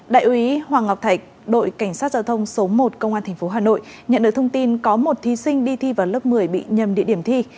đại úy hoàng ngọc thạch đội cảnh sát giao thông số một công an tp hà nội nhận được thông tin có một thí sinh đi thi vào lớp một mươi bị nhầm địa điểm thi